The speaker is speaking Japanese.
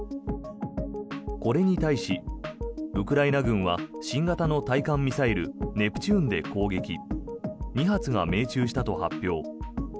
これに対し、ウクライナ軍は新型の対艦ミサイルネプチューンで攻撃２発が命中したと発表。